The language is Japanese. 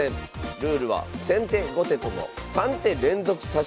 ルールは先手後手とも３手連続指し。